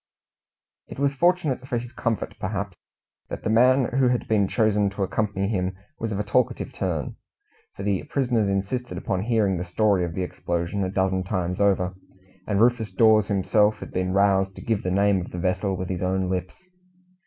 It was fortunate for his comfort, perhaps, that the man who had been chosen to accompany him was of a talkative turn, for the prisoners insisted upon hearing the story of the explosion a dozen times over, and Rufus Dawes himself had been roused to give the name of the vessel with his own lips.